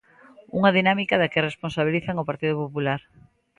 Unha dinámica da que responsabilizan ao Partido Popular.